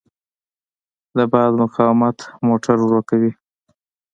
د باد مقاومت موټر ورو کوي.